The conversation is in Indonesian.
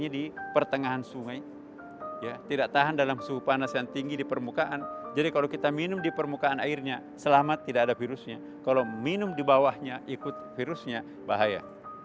janganlah minum dengan menggunakan alat alat yang berbeda